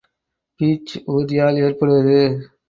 Beach ஊர்தியால் ஏற்படுவது.